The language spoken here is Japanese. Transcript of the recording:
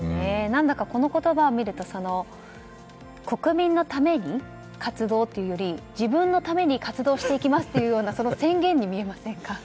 何だかこの言葉を見ると国民のために活動というより自分のために活動していきますというようなその宣言に見えませんか？